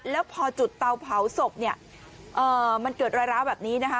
แล้วพอจุดเตาเผาศพเนี่ยมันเกิดรอยร้าวแบบนี้นะคะ